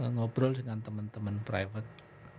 ngobrol dengan teman teman private